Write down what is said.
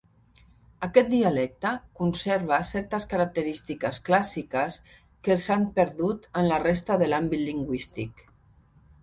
Aquest dialecte conserva certes característiques clàssiques que s'han perdut en la resta de l'àmbit lingüístic.